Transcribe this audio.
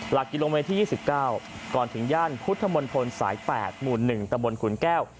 หลักกิโลเมตรที่๒๙ก่อนถึงย่านพุทธมนตรสาย๘หมู่๑ตะบนขุนแก้ว